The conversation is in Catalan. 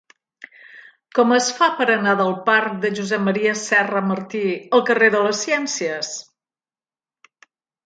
Com es fa per anar del parc de Josep M. Serra Martí al carrer de les Ciències?